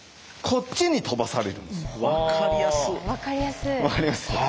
分かりやすい。